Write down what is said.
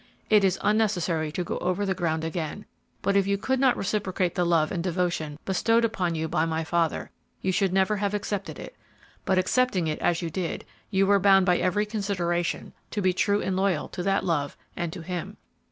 It is unnecessary to go over the ground again, but if you could not reciprocate the love and devotion bestowed upon you by my father, you should never have accepted it; but accepting it as you did, you were bound by every consideration to be true and loyal to that love and to him.